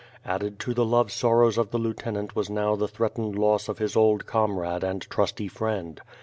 Added to the love sorrows of the lieutenant was now the threatened loss of his old comrade and trusty friend.